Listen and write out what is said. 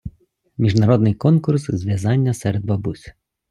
Міжнародний конкурс з в’язання серед бабусь.